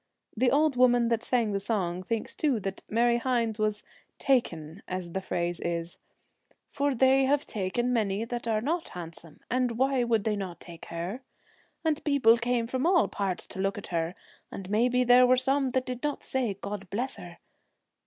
The old woman that sang the song thinks, too, that Mary Hynes was 'taken,' as the phrase is, 'for they have taken many that are not handsome, and why would they not take her ? And people came from all parts to look at her, and maybe there were some that did not say " God bless her."